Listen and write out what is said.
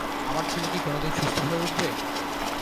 আমার ছেলে কি কোনোদিন সুস্থ হয়ে উঠবে?